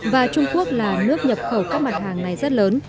và trung quốc là nước nhập khẩu các mặt hàng này rất lớn